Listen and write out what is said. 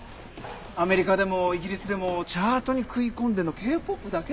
アメリカでもイギリスでもチャートに食い込んでんのＫ−ＰＯＰだけだもんなぁ。